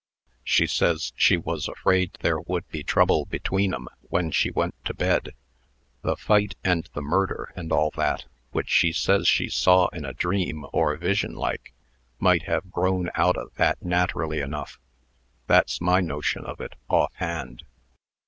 She says she was afraid there would be trouble between 'em when she went to bed. The fight, and the murder, and all that, which she says she saw in a dream, or vision like, might have grown out o' that naterally enough. That's my notion of it, off hand.